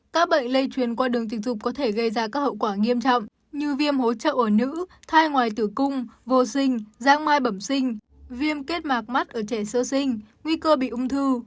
các bệnh lây truyền qua đường tình dục có thể gây ra các hậu quả nghiêm trọng như viêm hố trợ ở nữ thai ngoài tử cung vô sinh giang mai bẩm sinh viêm kết mạc mắt ở trẻ sơ sinh nguy cơ bị ung thư